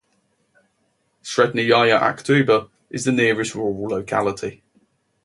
Srednyaya Akhtuba is the nearest rural locality.